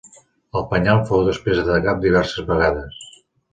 El penyal fou després atacat diverses vegades.